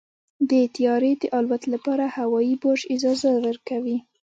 د طیارې د الوت لپاره هوايي برج اجازه ورکوي.